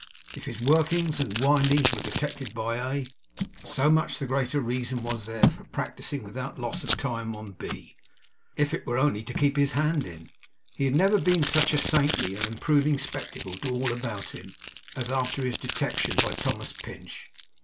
If his workings and windings were detected by A, so much the greater reason was there for practicing without loss of time on B, if it were only to keep his hand in. He had never been such a saintly and improving spectacle to all about him, as after his detection by Thomas Pinch.